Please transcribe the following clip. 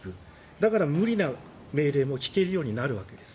だから無理な命令も聞けるようになるわけです。